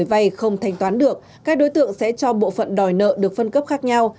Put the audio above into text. vay không thanh toán được các đối tượng sẽ cho bộ phận đòi nợ được phân cấp khác nhau